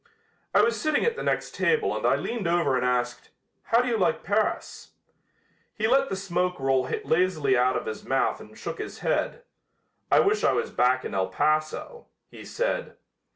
I was sitting at the next table and I leaned over and asked: "How do you like Paris?" He let the smoke roll lazily out of his mouth and shook his head. "I wish I was back in El Paso," he said.